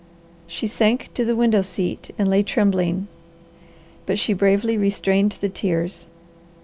She sank to the window seat and lay trembling, but she bravely restrained the tears.